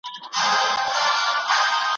نصیب درکړې داسي لمن ده `